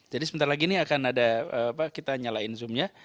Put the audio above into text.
jadi sebentar lagi ini akan ada kita nyalakan zoomnya